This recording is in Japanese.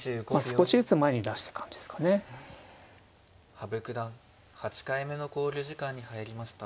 羽生九段８回目の考慮時間に入りました。